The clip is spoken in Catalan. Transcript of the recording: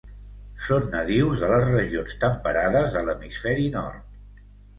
Són nadius de les regions temperades de l'hemisferi nord.